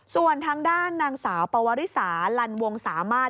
ส่วนทางด้านนางสาวปวริสาลันวงสามารถ